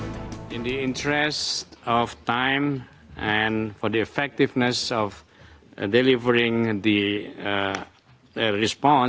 dalam keinginan waktu dan efektivitas penyampaian respon